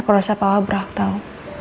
aku rasa papa berakhir tau